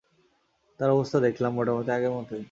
তার অবস্থা দেখলাম মোটামুটি আগের মতোই।